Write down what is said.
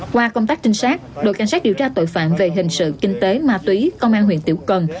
qua công tác trinh sát đội cảnh sát điều tra tội phạm về hình sự kinh tế ma túy công an huyện tiểu cần